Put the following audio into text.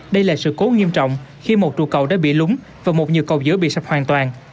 đây là sự cố nghiêm trọng khi một trụ cầu đã bị lúng và một nhiều cầu giữa bị sập hoàn toàn